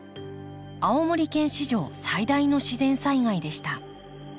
青森県史上最大の自然災害でした。